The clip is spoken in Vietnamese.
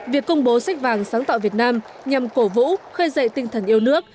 việc công bố sách vàng sáng tạo việt nam nhằm cổ vũ khơi dậy tinh thần yêu nước